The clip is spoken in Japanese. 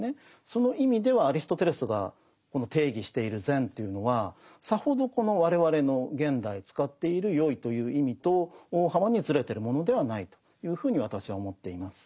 その意味ではアリストテレスがこの定義している善というのはさほどこの我々の現代使っているよいという意味と大幅にずれてるものではないというふうに私は思っています。